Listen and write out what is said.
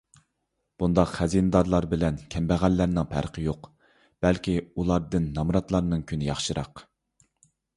بۇنداق خەزىنىدارلار بىلەن كەمبەغەللەرنىڭ پەرقى يوق. بەلكى ئۇلاردىن نامراتلارنىڭ كۈنى ياخشىراق.